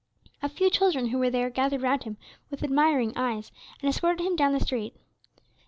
A few children who were there gathered round him with admiring eyes, and escorted him down the street.